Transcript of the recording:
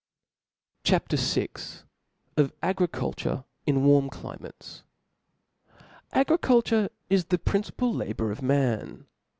» C H A P. VI. Of Agriculture in warm Climates. A Griculture is the principal labour of man.